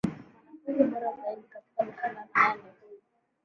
Mwanafunzi bora zaidi katika mashindano haya ni huyu.